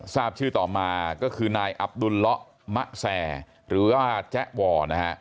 ทราบชื่อต่อมาก็คือนายอับดุลละมะแซหรือว่าแจ๊วอนะฮะ